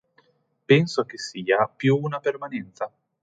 Penso che sia più una permanenza.